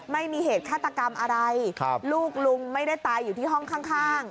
ไม่มีเหตุฆาตกรรมอะไรลูกลุงไม่ได้ตายอยู่ที่ห้องข้าง